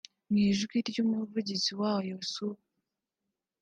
mu ijwi ry’umuvugizi wayo Sup